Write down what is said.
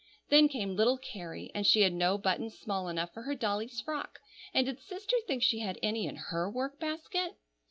Then came little Carrie, and she had no buttons small enough for her dolly's frock, and did sister think she had any in her work basket?